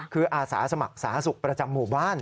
คืออาสาสมัครสาธารณสุขประจำหมู่บ้าน